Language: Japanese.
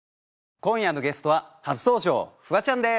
今夜のゲストは初登場フワちゃんです。